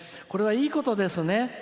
これはいいことですね。